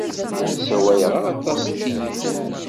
Ur sawaleɣ aṭas s tilifun.